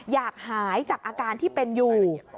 อยากหายจากอาการที่เป็นอยู่